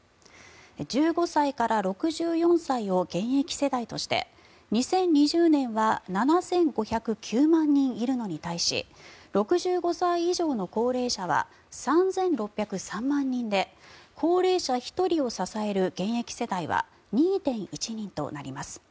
１５歳から６４歳を現役世代として２０２０年は７５０９万人いるのに対し６５歳以上の高齢者は３６０３万人で高齢者１人を支える現役世代は２．１人となります。